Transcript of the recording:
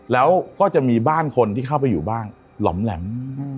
แล้วก็จะมีบ้านคนที่เข้าไปอยู่บ้างหล่อมแหลม